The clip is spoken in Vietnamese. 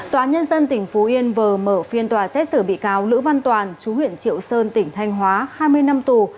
tòa nhân dân tỉnh phú yên vừa mở phiên tòa xét xử bị cáo lữ văn toàn chú huyện triệu sơn tỉnh thanh hóa hai mươi năm tù